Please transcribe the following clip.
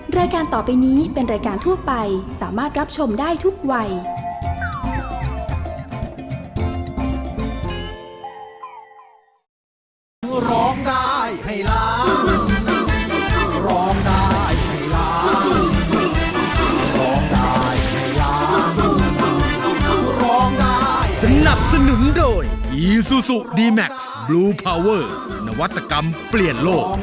รายการต่อไปนี้เป็นรายการทั่วไปสามารถรับชมได้ทุกวัย